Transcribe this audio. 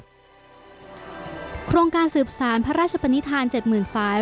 โครงการสืบสารพระราชปนิษฐาน๗๐๐๐ฝ่าย